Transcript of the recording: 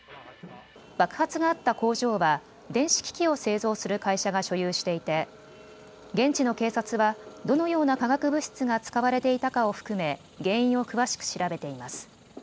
爆発があった工場は電子機器を製造する会社が所有していて現地の警察はどのような化学物質が使われていたかを含め原因を詳しく調べています。